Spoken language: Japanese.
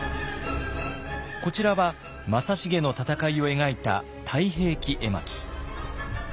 こちらは正成の戦いを描いた「太平記絵巻」。